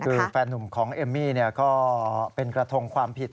คือแฟนนุ่มของเอมมี่ก็เป็นกระทงความผิด